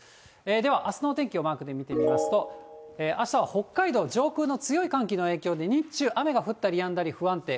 では、あすの天気をマークで見てみますと、あしたは北海道、上空の強い寒気の影響で日中、雨が降ったりやんだり不安定。